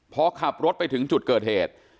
พอขับรถไปถึงจุดเกิดเหตุ